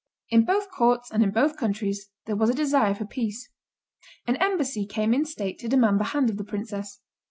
In both courts and in both countries there was a desire for peace. An embassy came in state to demand the hand of the princess.